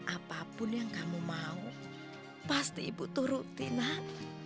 apapun yang kamu mau pasti ibu turuti nak